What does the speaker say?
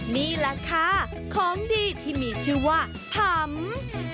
นี่แหละค่ะของดีที่มีชื่อว่าผำ